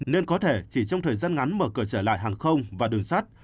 nên có thể chỉ trong thời gian ngắn mở cửa trở lại hàng không và đường sắt